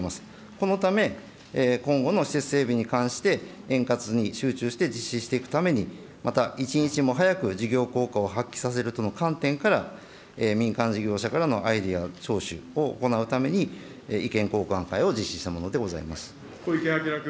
このため、今後の施設整備に関して、円滑に集中して実施していくために、また一日も早く事業効果を発揮させるとの観点から、民間事業者からのアイデア聴取を行うために、意見交換会を実施したも小池晃君。